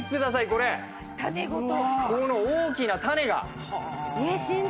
この大きな種が！